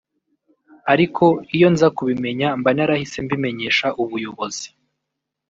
ariko iyo nza kubimenya mba narahise mbimenyesha ubuyobozi